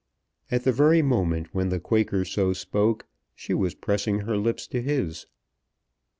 At the very moment when the Quaker so spoke she was pressing her lips to his.